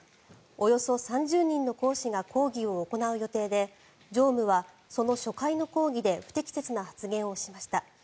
およそ３０人の講師が講義を行う予定で常務はその初回の講義で不適切な発言をしました。